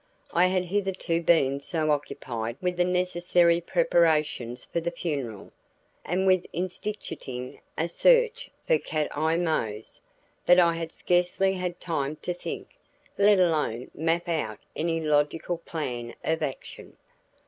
I had hitherto been so occupied with the necessary preparations for the funeral, and with instituting a search for Cat Eye Mose, that I had scarcely had time to think, let alone map out any logical plan of action.